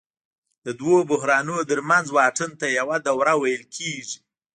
د دوو بحرانونو ترمنځ واټن ته یوه دوره ویل کېږي